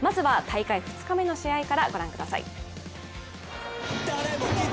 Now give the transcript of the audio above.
まずは大会２日目の試合。